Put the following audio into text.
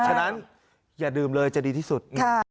ฉะนั้นอย่าลืมเลยจะดีที่สุด